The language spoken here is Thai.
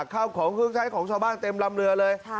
ข้าวของเครื่องใช้ของชาวบ้านเต็มลำเรือเลย